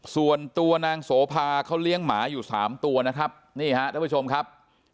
ส่วนตัวนางโสภาเขาเลี้ยงหมาอยู่สามตัวนะครับนี่ฮะท่านผู้ชมครับ